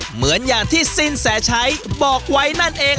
เหมือนอย่างที่สินแสชัยบอกไว้นั่นเอง